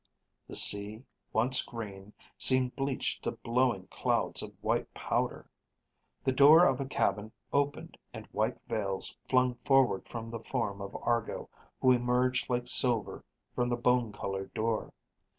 The sea, once green, seemed bleached to blowing clouds of white powder. The door of a cabin opened and white veils flung forward from the form of Argo who emerged like silver from the bone colored door.